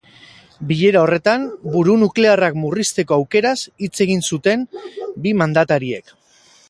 Bilera horretan, buru nuklearrak murrizteko aukeraz hitz egin zuten bi mandatariek.